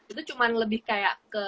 itu cuma lebih kayak